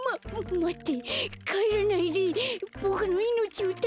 まって！